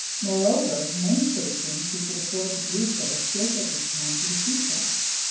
Moreover, many citizens who could afford to do so escaped at this time to the sea side.